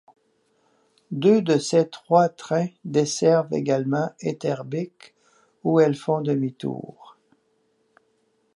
Deux de ces trois trains desservent également Etterbeek où elles font demi tour.